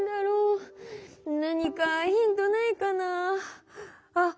何かヒントないかなあっ